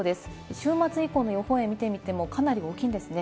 週末以降の予報円を見てみても、かなり大きいんですね。